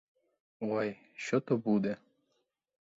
Ой, що то буде?